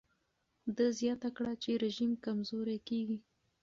ده زیاته کړه چې رژیم کمزوری کېږي.